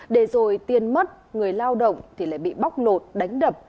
để rồi tiên mất người lao động thì lại bị bóc nột đánh đập